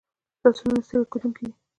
لاسونه نه ستړي کېدونکي دي